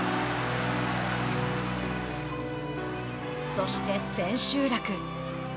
そして、千秋楽。